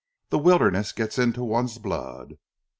"The wilderness gets into one's blood."